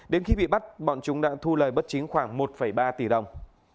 đến khi bị bắt bọn chúng đã thu lời bất chính khoảng một ba tỷ đồng